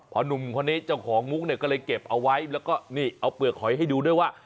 พอหนุ่มคนนี้เจ้าของมุกเนี่ยก็เลยเก็บเอาไว้แล้วก็นี่เอาเปลือกหอยให้ดูด้วยว่า